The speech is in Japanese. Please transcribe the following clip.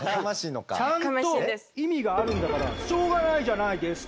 ちゃんと意味があるんだからしょうがないじゃないですカァ！